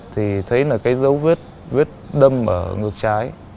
thì thấy là cái dấu vết viết đâm ở ngược trái